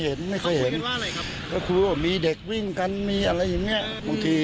เห็นว่าเขาบอกว่าช่วงเช้านี้